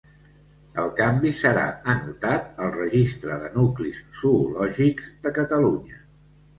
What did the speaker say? El canvi serà anotat al Registre de nuclis zoològics de Catalunya.